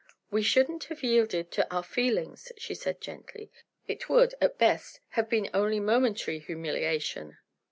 "We shouldn't have yielded to our feelings," she said gently, "it would, at best, have been only momentary humiliation."